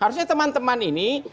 harusnya teman teman ini